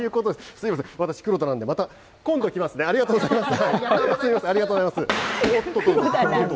すみません、私、黒田なんで、また、今度来ますね、ありがとうございます。